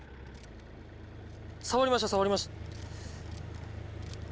触りました触りました。